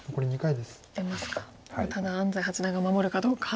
ただ安斎八段が守るかどうか。